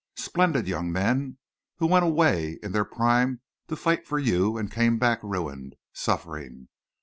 Splendid young men who went away in their prime to fight for you and came back ruined, suffering!